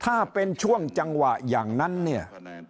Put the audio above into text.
ถ้าเป็นช่วงจังหวะอย่างนั้นเนี่ย